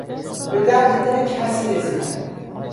به درد دل کسی رسیدن